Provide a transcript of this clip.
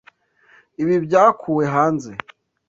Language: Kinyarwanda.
Ibi byakuwe hanze.